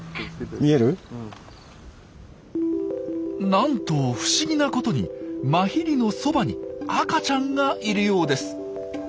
なんと不思議なことにマヒリのそばに赤ちゃんがいるようです。